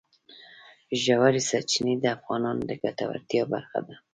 ژورې سرچینې د افغانانو د ګټورتیا برخه ده.